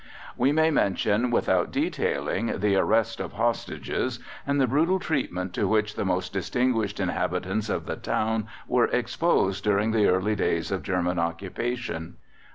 We may mention, without detailing, the arrest of hostages, and the brutal treatment to which the most distinguished inhabitants of the town were exposed during the early days of German occupation.